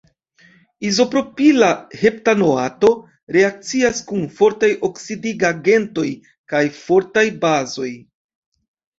Izopropila heptanoato reakcias kun fortaj oksidigagentoj kaj fortaj bazoj.